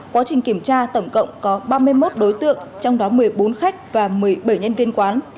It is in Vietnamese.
quá trình kiểm tra tổng cộng có ba mươi một đối tượng trong đó một mươi bốn khách và một mươi bảy nhân viên quán